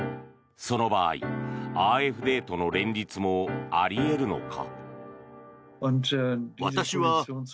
その場合、ＡｆＤとの連立もあり得るのか？